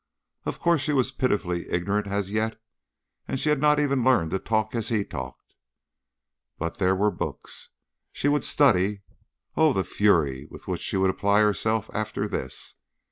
Of course she was pitifully ignorant as yet, and she had not even learned to talk as he talked, but there were books. She would study. Oh, the fury with which she would apply herself after this!